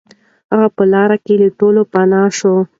هغه په لاره کې له ټولو پناه شو.